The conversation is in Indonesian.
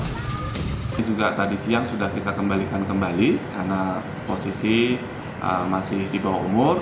ini juga tadi siang sudah kita kembalikan kembali karena posisi masih di bawah umur